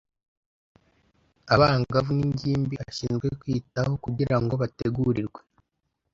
abangavu n’ingimbi ashinzwe kwitaho kugira ngo bategurirwe